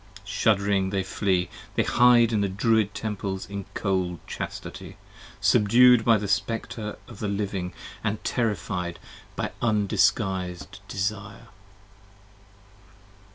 Shudd'ring they flee: they hide in the Druid Temples in cold chastity: 15 Subdued by the Spectre of the Living & terrified by undisguis'd desire.